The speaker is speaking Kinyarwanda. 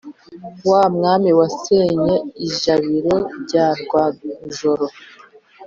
Wa Mwami washenye ijabiro rya Rwajoro*.